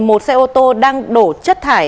một xe ô tô đang đổ chất thải